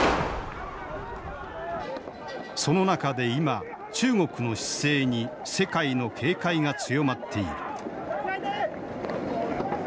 その中で今中国の姿勢に世界の警戒が強まっている。